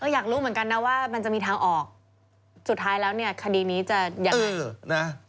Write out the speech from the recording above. อยากรู้เหมือนกันนะว่ามันจะมีทางออกสุดท้ายแล้วเนี่ยคดีนี้จะยังไงนะ